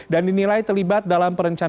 dan dinilai terlibat dalam perencanaan